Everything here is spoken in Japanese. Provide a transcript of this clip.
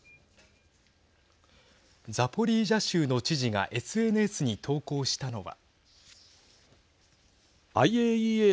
ザポリージャ州の知事がＳＮＳに投稿したのは。